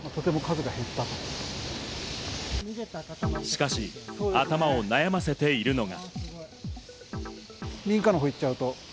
しかし、頭を悩ませているのが。